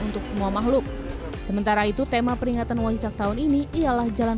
untuk semua makhluk sementara itu tema peringatan waisak tahun ini ialah jalan